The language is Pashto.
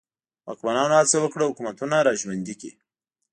واکمنانو هڅه وکړه حکومتونه را ژوندي کړي.